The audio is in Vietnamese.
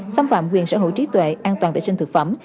xâm phạm quyền sở hữu trí tuệ an toàn vệ sinh thực phẩm